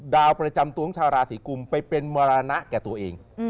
ดาวประจำตัวของชาวราศีกุมไปเป็นมรณะแก่ตัวเอง